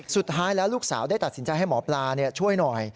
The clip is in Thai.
สุดท้ายแล้วลูกสาวได้ตัดสินใจให้หมอปลาช่วยหน่อย